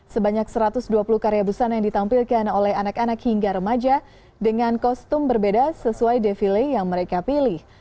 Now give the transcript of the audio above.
sebanyak satu ratus dua puluh karya busana yang ditampilkan oleh anak anak hingga remaja dengan kostum berbeda sesuai defile yang mereka pilih